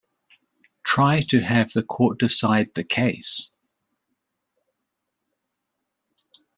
Try to have the court decide the case.